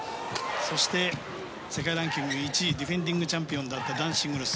そして世界ランキング１位ディフェンディングチャンピオンだった男子シングルス